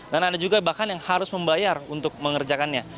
dan ada juga bahkan yang harus membayar untuk mengerjakannya